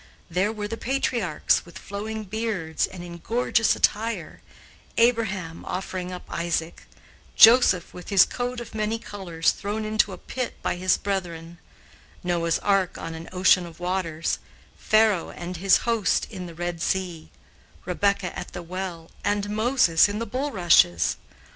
There were the Patriarchs, with flowing beards and in gorgeous attire; Abraham, offering up Isaac; Joseph, with his coat of many colors, thrown into a pit by his brethren; Noah's ark on an ocean of waters; Pharaoh and his host in the Red Sea; Rebecca at the well, and Moses in the bulrushes.